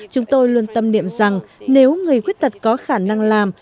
chúng tôi luôn tâm niệm rằng nếu người khuyết tật có khả năng làm